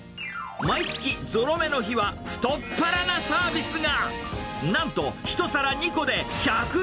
毎月ぞろ目の日は、太っ腹なサービスが。